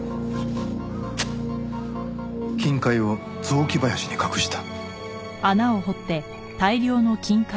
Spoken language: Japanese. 金塊を雑木林に隠した。